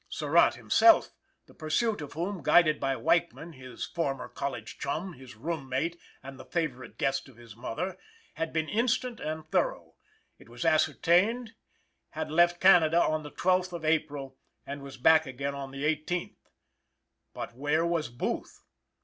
Surratt himself the pursuit of whom, guided by Weichman, his former college chum, his room mate, and the favorite guest of his mother, had been instant and thorough it was ascertained, had left Canada on the 12th of April and was back again on the 18th. But where was Booth?